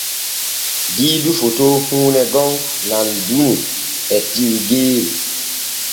Diidu foto huune gon nandune e tiwgeeru.